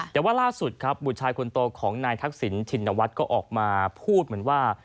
แต่ว่าล่าสุดครับบุตรชายคนโตของนายทักษิณชินวัฒน์ก็ออกมาพูดเหมือนว่า